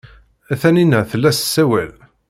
Taninna tella tessawal.